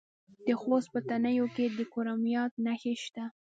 د خوست په تڼیو کې د کرومایټ نښې شته.